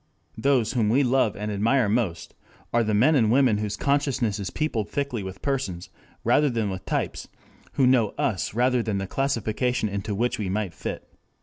Those whom we love and admire most are the men and women whose consciousness is peopled thickly with persons rather than with types, who know us rather than the classification into which we might fit.